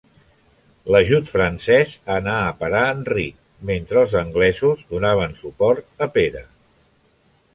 L'ajut francès anà a parar a Enric mentre els anglesos donaven suport a Pere.